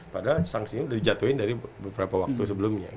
padahal sanksi ini udah dijatuhin dari beberapa waktu sebelumnya